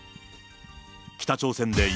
北朝鮮で今、